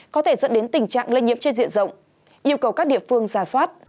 có thể dẫn đến tình trạng lây nhiễm trên diện rộng yêu cầu các địa phương giả soát